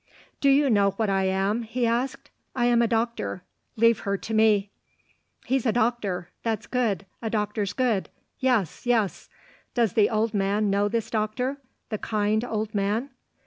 "Do you know what I am?" he asked. "I am a doctor. Leave her to me." "He's a doctor. That's good. A doctor's good. Yes, yes. Does the old man know this doctor the kind old man?"